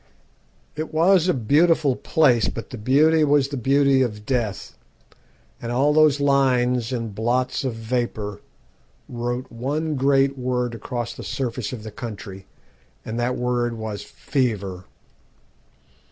It was a beautiful place, but the beauty was the beauty of death; and all those lines and blots of vapour wrote one great word across the surface of the country, and that word was 'fever.'